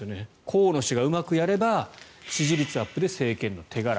河野氏がうまくやれば支持率アップで政権の手柄。